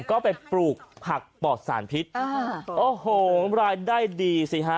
ก็ไปปลูกผักปอดสารพิษอ่าโอ้โหรายได้ดีสิฮะ